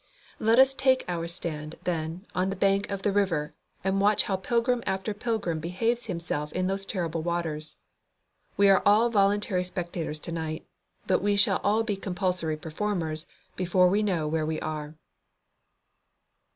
Let us take our stand, then, on the bank of the river and watch how pilgrim after pilgrim behaves himself in those terrible waters. We are all voluntary spectators to night, but we shall all be compulsory performers before we know where we are.